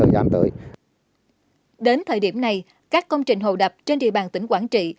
đến thời điểm này các công trình hồ đập trên địa bàn tỉnh quảng trị